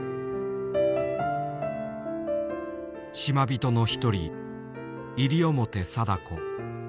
島人の一人西表貞子。